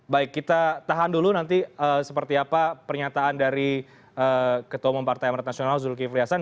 baik kita tahan dulu nanti seperti apa pernyataan dari ketua umum partai amarat nasional zulkifli hasan